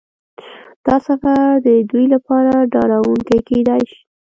دا سفر د دوی لپاره ډارونکی کیدای شي